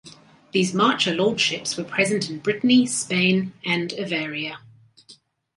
These marcher lordships were present in Brittany, Spain and Avaria.